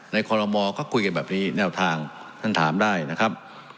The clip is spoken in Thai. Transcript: คอลโมก็คุยกันแบบนี้แนวทางท่านถามได้นะครับ